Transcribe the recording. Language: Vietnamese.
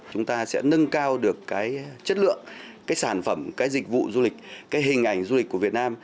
chúng ta sẽ nâng cao được cái chất lượng cái sản phẩm cái dịch vụ du lịch cái hình ảnh du lịch của việt nam